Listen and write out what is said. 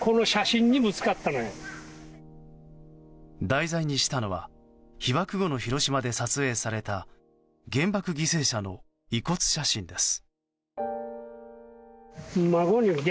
題材にしたのは被爆後の広島で撮影された原爆犠牲者の遺骨写真です。